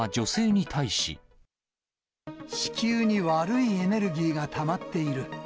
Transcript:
子宮に悪いエネルギーがたまっている。